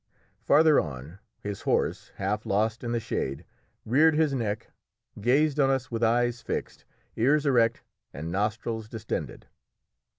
Farther on, his horse, half lost in the shade, reared his neck, gazed on us with eyes fixed, ears erect, and nostrils distended.